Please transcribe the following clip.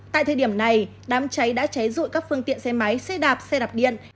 tại thời điểm này đám cháy đã cháy dụi các phương tiện xe máy xe đạp xe đạp điện